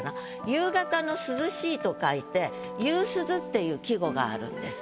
「夕方」の「涼しい」と書いて「夕涼」っていう季語があるんです。